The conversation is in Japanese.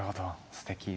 すてき。